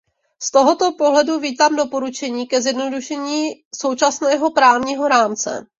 Z tohoto pohledu vítám doporučení ke zjednodušení současného právního rámce.